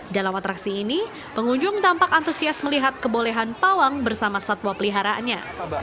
dalam atraksi ini pengunjung tampak antusias melihat kebolehan pawang bersama satwa peliharaannya